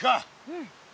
うん。